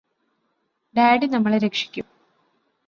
daddy നമ്മളെ രക്ഷിക്കും